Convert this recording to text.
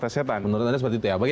sebagai partai setan